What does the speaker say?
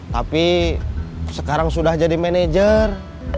tapi sekarang sudah jadi manajer